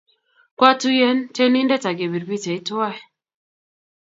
Kwatuyen tyenindet akepir pichaiyat twai